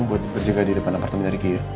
buat berjaga di depan apartemen dari riki ya